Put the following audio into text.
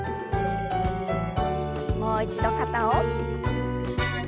もう一度肩を。